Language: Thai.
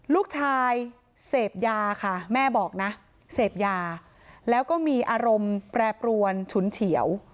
ลูกชายเสพยาค่ะแม่บอกนะเสพยาแล้วก็มีอารมณ์แปรปรวนฉุนเฉียว